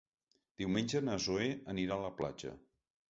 Diumenge na Zoè anirà a la platja.